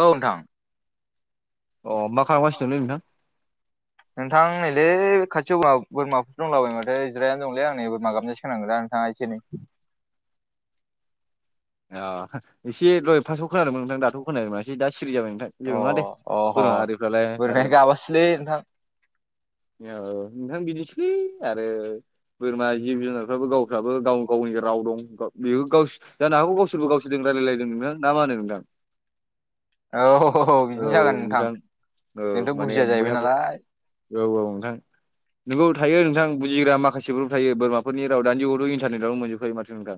औ नोंथां। मा खालामगासिनोलै नोंथां? नोंथां नैलै खाथियाव बोरमाफोर दंलाबाय माथो जिरायनानै दंलै आं नै बोरमा गाबनायसो खोनागोन। ओ एसे एनै ओ एसे दहय फास्टाव खोनादोंमोन नोंथां दाथ' खोनालायासै दा सिरि जाबाय नोंथां। अ जेबो नङा दे अह बर' हारिफोरालाय बोरमाया आरो। गाबासोलै नोंथां औ नोंथां बिदिसै आरो। बोरमा जिब जुनारफ्राबो गावफ्राबो गाव गावनि राव दं बेबो गावनि जानो हागौ गावसोरबो गावसोरजों रायज्लायलायदों नोंथां ना मा होनो नोंथां। औ औ बिदिनो जागोन नोंथां औ जोंथ' माने बुजिया जाहैबाय बयहाबोथ' नालाय औ औ नोंथां नोंगौ थायो नोंथां बुजिग्रा माखासेफोर थायो। फोरनि राव दानि जुगावथ' इन्टारनेटावनो मोनजोबखायो माथो नोंथां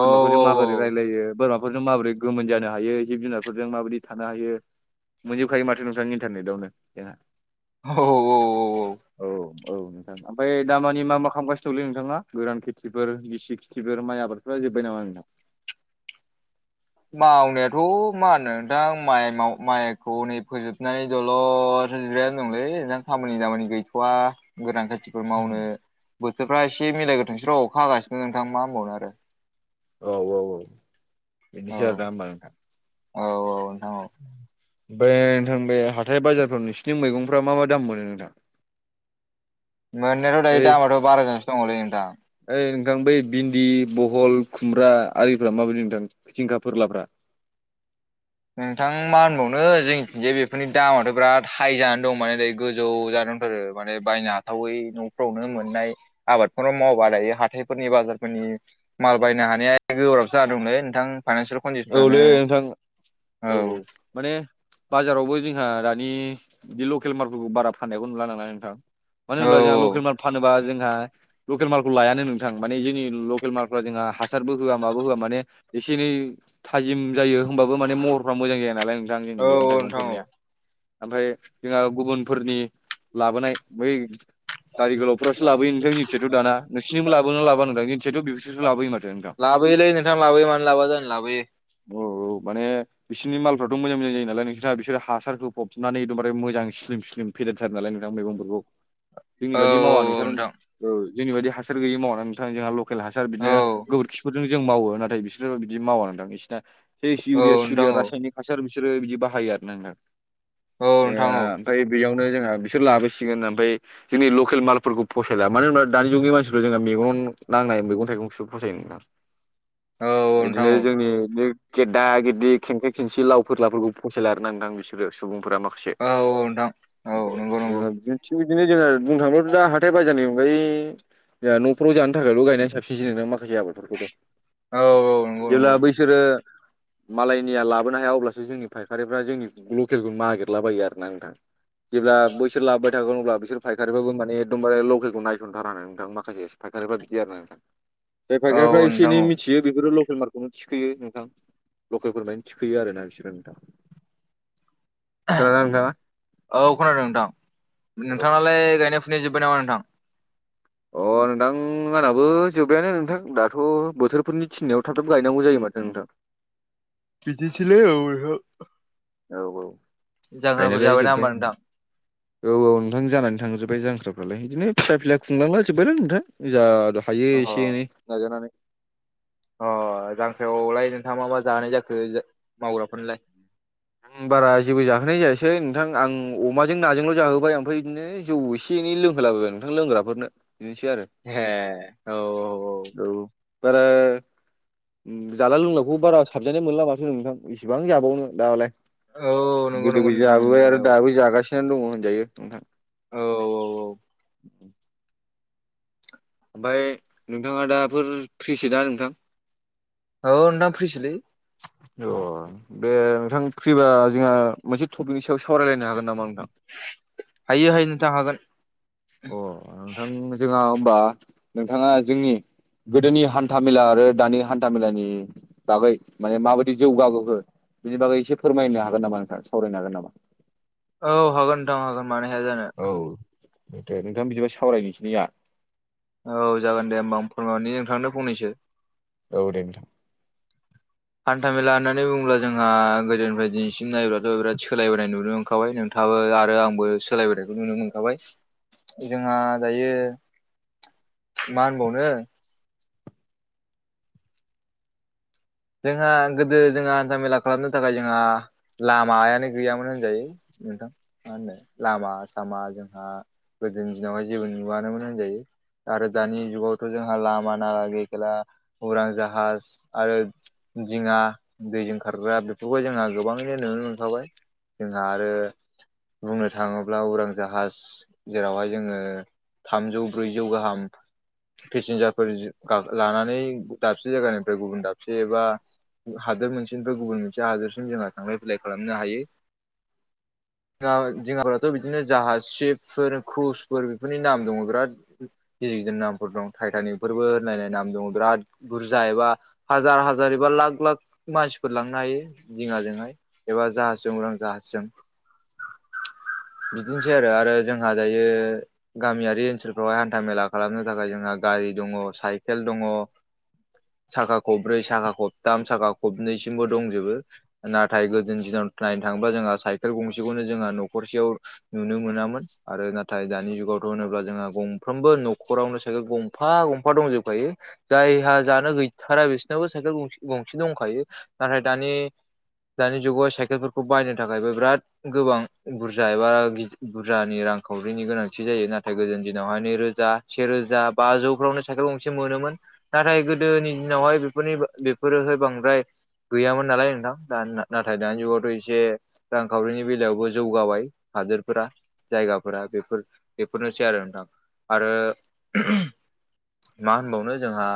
औ औ मा औ बोरै रायलायो बोरमाफोरजों माबोरै गोमोन जानो हायो जिब जुनारफोरजों माबोयदि थानो हायो। मोनजोबखायो माथो नोंथांनि इन्टारनेटआवनो जोंहा औ औ। औ औ। ओमफ्राय दामानि मा मा खालामगासिनो दंलै नोंथाङा गोरान खेथिफोर गिसि खिथिफोर माइ आबादफोरा जोब्बाय नामा नोंथां? मावनायाथ' मा होनो नोंथां माइ माइखौ नै फोजोबनानैल' दलद जिरायनानै दंलै नोंथां खामानि दामानि गैथ'वा गोरान खेथि थिबो मावनो बोथोरफ्रा एसे मिलायग्रोथोंसै र' अखा हागासिनो नोंथां मा होनबावनो आरो। औ औ। औ बिदिसो आरो ना औ औ नोंथां। बे नोंथां बे हाथाय बाजारफोराव नोंसिथिनि मैगंफ्रा मा मा दाम मोनो नोंथां? मोननायाथ' दायो बै दामाथ' बारायगासिनो दङलै नोंथां। ओइ नोंथां बै भिन्दि बहल खुमब्रा आरिफ्रा माबायदि नोंथां जिंखा फोरलाफ्रा? नोंथां मा होनबावनो जोंनिथिंजाय बेफोरनि दामाथ' बिराद हाइ जानानै। दं माने ओरै गोजौ जाना दंथारो माने बायनो हाथावै न'फ्रावनो मोननाय आबादफोराव मावबा दायो हाथायफोरनि बाजारफोरनिनो माल बायनो हानाया गोब्राब जादोंलै नोंथां फाइनसियेल औ लै नोंथां औ औ माने बाजारावबो जोंहा दा नि लकेल माल बारा फाननायखौ नुला नालाय नोंथां मानो औ होनबा जोङा लकेल माल फानोबा जोंहा लकेल मालखौ लायानो नोंथां माने जोंनि लकेल मालफ्रा जोंहा हासारबो होआ माबो होआ माने एसे एनै थाजिम जायो होमबाबो माने महरफ्रा मोजां जाया नालाय नोंथां जोंनि औ मैगं औ नोंथां औ थाइगंफोरनिया ओमफ्राय जोंहा गुबुनफोरनि लाबोनाय बै दारि गोलाव फोरासो लाबोयो नोंथां जोंथिंजायथ' दाना नोंसिनिबो लाबोना लाबाआ नोथां जोंथिंजायथ' बिसोरसो लाबोयो माथो नोंथां। बै लै नोंथां लाबोयो मानो लाबोआ जानो लाबोयो। औ माने बिसनि मालफ्राथ' मोजां मोजां जायोनालाय नोंस्रा बिस्रा हासारखौ होफबनानै एकदबारे मोजां स्लिम स्लिम फेदेरथारो नालाय नोंथां मैगंफोरखौ जोंनि औ बायदि मावा नोंसोर ओ जोंनि बायदि हासार गैयि मावा नोंथां जोंहा ल लकेल हासार औ बिदिनो गोबोरखिफोरजों जों मावो नाथाय बिसोर बिदि मावा नोंथां बिसिना। बे इउरिया नोंथां सुरिया औ रासायनिक हासार बिसोरो बिदि बाहायो आरो ना नोंथां। औ नोंथां औ नोंथां औ ओमफाय बेयावनो जोंहा बिसोर लाबोसिगोन ओमफाय जोंनि लकेल मालफोरखौ फसायला मानो होनबा दानि जुगनि मानसिफ्रा जोंहा मेगन नांनाय मैगं थाइगंसो फसायोमोन ना। औ औ नोंथां बिदिनो औ जोंनि बिदि गेदा गेदि खेंखाय खेंसि लाव फोरलाफोरखौ फसायला आरो नोंथां बिसोरो सुबुंफोरा मा औ औ नोंथां। औ नंगौ नंगौ ओम जोङो थिग बिदिनो जोङो बुंनो थाङोबाथ' दा हाथाय बाजारनि अनगायै न'फ्राव जानो थाखायल' गायनाया साबसिनसै नोंथां माखासे आबादफोरखौथ' औ औ नंगौ नंगौ जेब्ला बै बिसोरो मालायनिया लाबोनो हाया अब्लासो जोंनि फायखारिफ्रा जोंनि लकेलखौ नागिरलाबायो आरोना नोंथां। ओ जेब्ला बैसोर लाबोबाय थागोन अब्ला बिसोर फायखारिफोराबो माने एकदमबारे लकेलखौ नायस'नथारा नोंथां माखासे फायारिफ्रा बिदि आरो ना नोंथां। जाय औ फायगारिफ्रा एसे नोंथां एनै औ मिथियो बेफोरो लकेल मारक थिखोयो नोंथां लकेलफोरमानि थिखोयो आरोना बिसोरो नोंथां। खोनादोंना नोंथाङा? औ खोनादों नोंथां नोंथाङालाय गायनाय फुनाय जोब्बाय नामा नोंथां। अ नोंथां आंनाबो जोबबायानो नोंथां दाथ' बोथोरफोरनि थिननायाव थाब थाब गायनांगौ जायो माथो नोंथां। बिदिनोसैलै औ नोंथां। औ औ जांख्राफोर गायनायालाय जाबायना जोब्बाय होमबा होन नोंथां औ औ नोंथां जानानै थांजोबबाय जांख्राफ्रालाय बिदिनो फिसा फिला खुंलांलाजोब्बायलै नोंथां। ओ जा हायो अह एसे एनै नाजानानै अ जांख्रायावलाय नोंथाङा मा मा जाहोनाय जाखो मावग्राफोरनोलाय। आं बारा जेबो जाहोनाय जायासै। एै नोंथां आं अमाजों नाजोंल' जाहोबाय ओमफ्राय बिदिनो जौ एसे एनै लोंहोलाबाबाय नोंथां लोंग्राफोरनो। बिदिनोसै आरो। ए औ। औ औ बारा उम जाला लोंलाखौ बारा साबजानाय मोनला माथो नोंथां बिसिबां जाबावनो दालाय। औ औ नंगौ नंगौ गोदोबो नोंथां जाबोबाय आरो नंनायालाय दाबो जागासिनो दङ' होनजायो नोंथां। औ औ औ ओमफाय नोंथाङा दाफोर फ्रिसै दा नोंथां? औ नोंथां फ्रिसोलै। अ दे नोंथां फ्रिबा जोंहा मोनसे टपिकनि सायाव सावरायलाय हागोन नामा नोंथां? हायो हायो नोथां हागोन। अ नोंथां जोंहा होबा नोंथाङा जोंनि गोदोनि हान्था मेला आरो दानि हान्था मेलानि बागै माने माबायदि जौगाबोखो बिनि बागै एसे फोरमायनो हागोन नामा नोंथां सावरायनो हागोन नामा? औ हागोन नोंथां हागोन मानो हाया जानो। औ दे नोंथां बिदिबा सावरायनोसै दे जाहा। औ जागोन दे होमबा आं फोरमायहरनि नोंथांनो फंनैसो औ दे नोंथां हान्था मेला होननानै बुङोब्ला जोंहा गोदोनिफ्राय दिनैसिम नायब्लाथ' बिराद सोलायबोनाय नुदों मोनखाबाय नोंथाङाबो आरो आंबो सोलायबोनायखौ नुनो मोनखाबाय जोंहा दायो मा होनबावनो जोंहा गोदो जोंहा हान्था मेला खालामनो थाखाय जोंहा लामायानो गैयामोन होनजायो नोंथां मा होनो लामा सामा जोंहा गोदोनि दिनावहाय जेबो नुवानोमोन होनजायो आरो दानि जुगावथ' जोंहा लामा ना लागै उरां जाहाज आरो दिङा दैजों खारग्रा बेफोरखौ जोंहा गोबाङैनो नुनो मोनखाबाय जोंहा आरो बुंनो थाङोब्ला उरां जाहाज जेरावहाय जोङो थामजौ ब्रैजौ गाहाम पेसेन्जारफोर लानानै दाबसे जायगानिफ्राय गुबुन दाबसे बा हादोर मोनसे गुबुन मोनसे हादोरसिम जोंहा थांलाय फैलाय खालामनो हायो जोंना दिङाफोराथ' बिदिनो जाहाज सिफफोर कुसफोर नि नाम दङ बिराद गिदिर गिदिर नामफोर दं टायटानिकफोरबो होननायनाय नाम दं बिराद बुरजा एबा हाजार हाजार एबा लाख लाख [inaudible] मानसिफोर लांनो हायो दिङाजोंहाय एबा जाहाजजों उरां जाहाजजों बिदिनोसै आरो आरो जोंहा दायो गामियारि ओनसोलफ्रावहाय हान्था मेला खालामनो थाखाय जोंहा गारि दङ साइ सेल दङ साखा खब्रै साखा खबथाम साखा खबनैसिमबो दंजोबो नाथाय गोदोनि दिनाव नायनो थाङोबा जोंहा साइकेल गंसेखौनो जोंहा न'खरसेयाव नुनो मोनामोन आरो नाथाय दानि जुगावथ' होनोब्ला जोंहा गंफ्रोमबो न'खरावनो साइकेल गंफा गंफा दंजोबखायो जायहा जानो गैथारा बिसोरनावबो साइकेल गंसे गंसे दंखायो नाथाय दानि दानि जुगाव साइकेलफोरखौ बायनो थाखायबो बिराद गोबां बुरजा एबा बुरजानि रांखावरिनि गोनांथि जायो नाथाय गोदोनि दिनावहाय नैरोजा सेरोजा बाजौफ्रावनो साइखेल गंसे मोनोमोन नाथाय गोदोनि दिनावहाय बेफोरनि [unintelligible] गोदोहाय बांद्राय गैयामोन नालाय नोंथां दा नाथाय दानि जुगावथ' एसे रांखावरिनि बेलायावबो जौगाबाय हादोरफोरा जायगाफोरा बेफोर बेफोरनोसै आरो नोंथां आरो मा होनबावनो जोंहा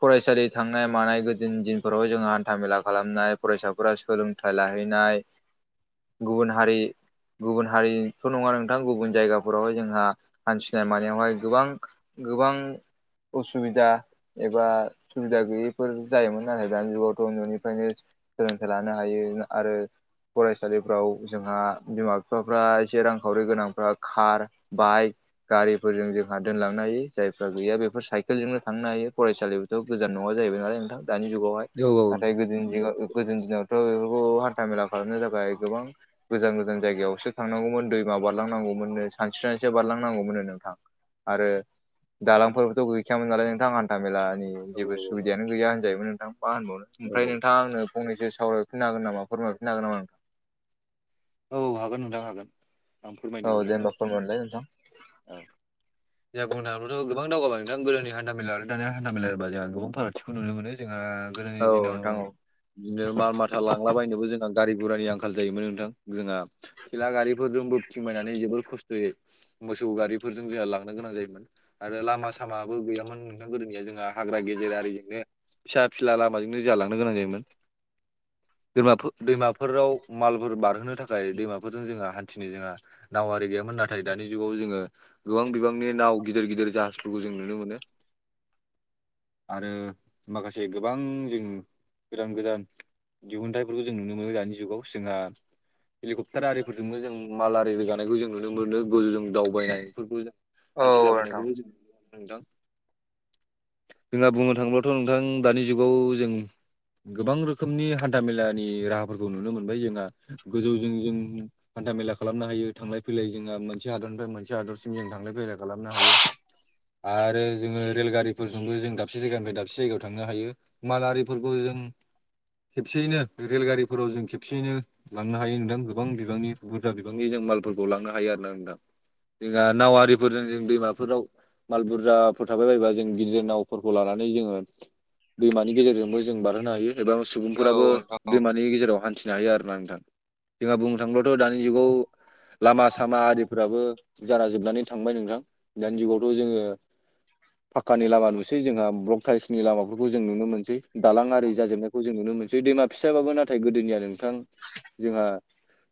फरायसालि थांनाय मानाय गोदोनि दिनफोराव जोंङो हान्था मेला खालामनाय फरायसाफोरा सोलों थाय लाहैनाय गुबुन हारि गुबुन हारिथ' नङा नोंथां गुबुन जायगाफोरावहाय जोंहा हान्थिनाय मानायावहाय गोबां गोबां उसुबिदा एबा सुबिदा गैयिफोर जायोमोन नाथाय दानि जुगावथ' न'निफ्रायनो सोलोंथाइ लानो हायो आरो फरायसालिफ्राव जोंहा बिमा बिफाफ्रा एसे रांखावरि गोनांफ्रा खार बाइक गारिफोरजों जोंहा दोनलांनो हायो जायफ्रा गैया बेफोर साइकेलजोंनो थांनो हायो फरायसालियाथ' गोजान नङा जाहैबाय नालाय नोंथां दानि जुगावहाय औ नाथाय गो गोदोनि दिनाव थ' बेफोरखौ हान्था मेला खालामनो थाखाय गोबां गोजान गोजान जायगायावसो थांनांगौमोन दैमा बारलांनांगौमोननो सानस्रिनानैसो बारलांनांगौमोननो नोंथां आरो दालांफोरबोथ' गैखायामोन नालाय नोंथां हान्था मेलानि औ जेबो सुबियानो गैया होनजायोमोन नोंथां मा होनबावनो औ ओमफ्राय नोंथां आंनो फंनैसो सावराय [unintelligible] हागोन नामा फोरमायफिनो हागोन नामा नों औ हागोन नोंथां हागोन आं फोरमायनो औ दे नोंनो जेनबा फोरमाय हरलाय नोंथां औ जों बुंनो हाग्लाथ' गोबां दावगाबादोंदों दा गोदोनि हान्था मेला आरो दानिया हान्थामेला होनबा जोंहा गोबां फारागथिखौ नुनो मोनो। जोंहा गोदोनि औ दिनाव नोंथां औ बिदिनो माल माथा लांलाबायनोबो जोंहा गारि गुरानि आंखाल जायोमोन नोंथां। जोङा खेला गारिफोरजों बोथिं बायनानै जोबोर खस्थ' जै मोसौ गारिफोरजों जोंहा लांनो गोनां जायोमोन आरो लामा सामाबो गैयामोन। नोंथां गोदोनिया जोंहा हाग्रा गेजेर आरिजोंनो फिसा फिसाला लामाजोंनो जालांनो गोनां जायोमोन। दै दैमाफोराव मालफोर बारहोनो। थाखाय दैमाफोरजों जोंहा हान्थिनो जोंहा नावारि गैयामोन नाथाय दानि जुगाव जोङो गोबां बिबांनि नाव गिदिर गिदिर जाहाजफोरखौ जों नुनो मोनो। आरो माखासे गोबां जों गोदान गोदान। दिहुनथाइफोरखौ जों नुनो मोनो दानि जुगाव जोंहा हेलिकप्टार आरिफोरजोंबो जों माल आरि रोगानायखौ जों नुनो मोनो गोजौजों दावबायनायफोरखौ जों औ नोंथां हान्थिलाबायनायखौबो जों नुनो मोनदों। जोंहा बुंनो थाङोबथ' नोंथां दानि जुगाव जों गोबां रोखोमनि हान्था मेलानि राहाफोरखौ नुनो मोनबाय जोंहा गोजौजों जों हान्था मेला खालामनो हायो थांलाय फैलाय जोंहा मोनसे हादरनिफ्राय मोनसे हादरसिम जों थांलाय फैलाय खालामनो हायो। आरो जोङो रेलगारिफोरजोंबो जों दाबसे जायगानिफ्राय दाबसे जायगायाव थांनो हायो। मालारिफोरखौ जों खेबसेयैनो रेलगारिफोराव जों खेबसेयैनो लांनो हायो नोंथां गोबां बिबांनि बुरजा बिबांनि जों मालफोरखौ लांनो हायो आरो ना नोंथां। जोंहा नावारिफोरजों जों दैमाफोराव माल बुरजाफोर थाबाय बायोबा जों गिदिर नावफोरखौ लानानै जोङो दैमानि गेजेरजोंबो जों बारहोनो हायो एबा औ सुबुंफोराबो नोंथां औ दैमानि गेजेराव हान्थिनो हायो आरोना नोंथां। जोंहा बुंनो थांबोलाथ' दानि जुगाव लामा सामा आरिफोराबो जान जोबनानै थांबाय नोंथां दानि जुगावथ' जोङो फाक्कानि लामा नुसै जोंहा ब्लक थाइलसनि लामाफोरखौ जों नुनो मोनसै दालां आरि जाजोबनाय जों नुनो मोनसै दैमा फिसाबाबो नाथाय गोदोनिया नोंथां जोंहा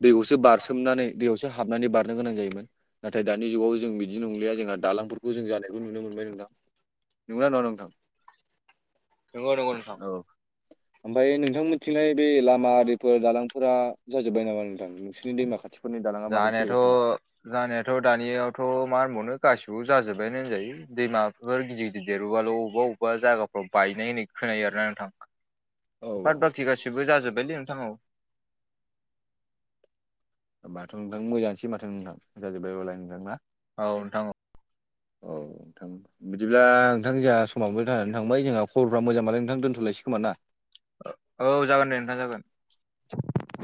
दैखौसो बारसोमनानै दैयावसो हाबनानै बारनो गोनां जायोमोन। नाथाय दानि जुगाव जों बिदि नंलिया जोंहा दालांफोरखौ जों जानायखौ नुनो मोनबाय नोंथां। नंगौना न'डा नोंथां? नंगौ नंगौ नोंथां औ ओमफ्राय नोंथां मिथिनाय बे लामा आरिफोर दालांफोरा जाजोबबाय नामा नोंथां नोंसोरनि दैमा खाथि जानायाथ' जानायाथ' दानियावथ' मा होनबावनो गासिबो जाजोब्बायानो होनजायो। दैमाफोर गिदिर गिदिर देरबोबाल' अबेबा अबेबा जायगाफ्राव बायनाय होननाय खोनायो आरो ना नोंथां। [inaudible] बार बाखि गासैबो जाजोब्बायलै नोंथां‌ औ। माथ' नोंथां मोजानोसै माथो नोंथां जाजोब्बाय अलाय नोंथां। औ नोंथां। औ। बिदिब्ला नोंथां जोंहा समावबो थानानै थांबाय जोंहा खबरफोरा मोजांबालाय नोंथां दोनथ'लायसै खोमा ना। औ जागोन दे नोंथां जागोन। दे